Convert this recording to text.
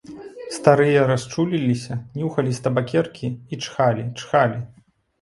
Старыя расчуліліся, нюхалі з табакеркі і чхалі, чхалі.